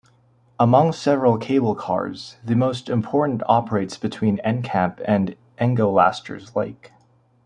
Among several cable cars, the most important operates between Encamp and Engolasters Lake.